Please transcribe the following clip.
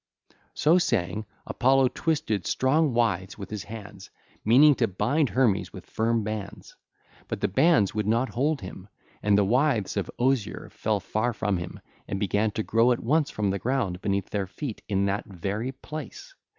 (ll. 409 414) So saying, Apollo twisted strong withes with his hands meaning to bind Hermes with firm bands; but the bands would not hold him, and the withes of osier fell far from him and began to grow at once from the ground beneath their feet in that very place.